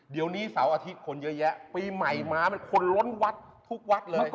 เดี๋ยวนี้เสาร์อาทิตย์คนเยอะแยะปีใหม่ม้ามันคนล้นวัดทุกวัดเลย